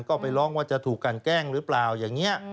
ก็ไปร้องว่าจะถูกกันแกล้งหรือเปล่า